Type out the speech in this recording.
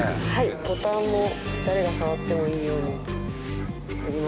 ボタンも誰が触ってもいいようにやります。